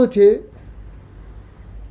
nó rất lúng túng